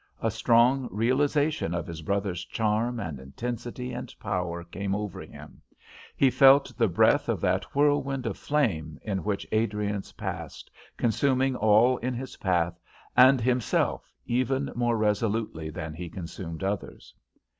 A strong realization of his brother's charm and intensity and power came over him; he felt the breath of that whirlwind of flame in which Adriance passed, consuming all in his path, and himself even more resolutely than he consumed others.